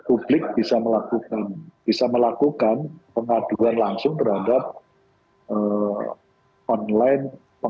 agar kita bisa melakukan gerira k seats malah speed zone